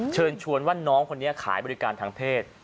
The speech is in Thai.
เชิญชวนว่าน้องคนนี้ขายบริการทางเพศ